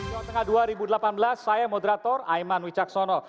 jawa tengah dua ribu delapan belas saya moderator aiman wicaksono